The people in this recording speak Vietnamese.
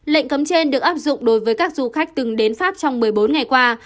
lệnh cấm trên được áp dụng đối với các du khách từng đến pháp trong một mươi bốn ngày qua